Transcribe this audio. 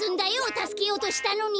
たすけようとしたのに！